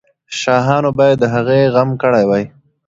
شاهانو باید د هغې غم کړی وای.